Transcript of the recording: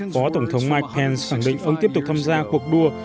phó tổng thống mike pence khẳng định ông tiếp tục tham gia cuộc đua